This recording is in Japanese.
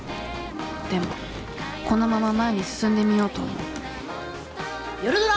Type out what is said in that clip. でもこのまま前に進んでみようと思う夜ドラ！